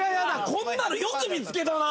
こんなのよく見つけたな！